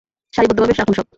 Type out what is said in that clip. সারিবদ্ধভাবে রাখুন সব!